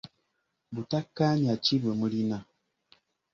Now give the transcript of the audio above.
Butakkaanya ki bwe mulina?